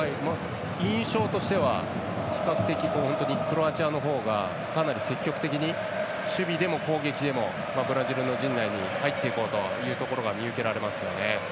印象としては比較的クロアチアのほうがかなり積極的に守備でも攻撃でもブラジルの陣内に入っていこうというところが見受けられますよね。